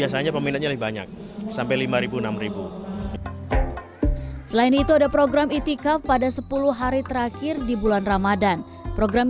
sampai lima ribu enam ribu selain itu ada program itikaf pada sepuluh hari terakhir di bulan ramadhan program